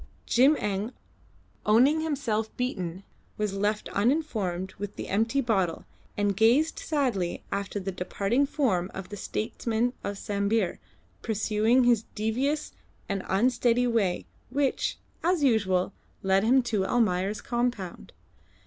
Jim Eng, owning himself beaten, was left uninformed with the empty bottle, and gazed sadly after the departing form of the statesman of Sambir pursuing his devious and unsteady way, which, as usual, led him to Almayer's compound.